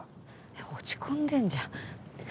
落ち込んでるじゃん。